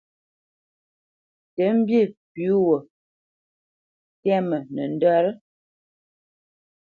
Tə mbî pʉ̌ gho tɛ́mə nəndət?